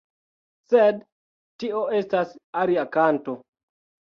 Sed tio estas alia kanto.